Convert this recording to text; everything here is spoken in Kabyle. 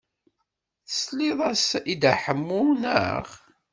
Tesliḍ-as i Dda Ḥemmu, naɣ?